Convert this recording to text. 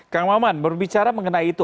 kang maman berbicara mengenai itu